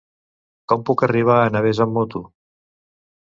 Com puc arribar a Navès amb moto?